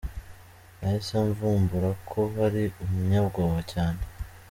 Nahise mvumbura ko ari umunyabwoba cyane.